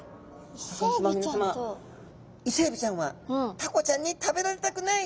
イセエビちゃんはタコちゃんに食べられたくない。